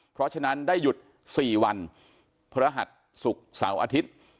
เพราะฉะนั้นได้หยุด๔วันพระรหัสศุกร์เสาร์อาทิตย์